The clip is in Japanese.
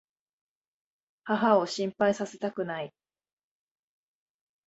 母を心配させたくない。